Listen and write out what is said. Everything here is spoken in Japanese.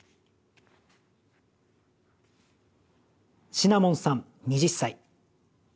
シナモンさん２０歳。